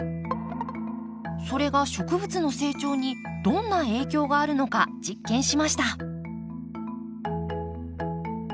それが植物の成長にどんな影響があるのか実験しました。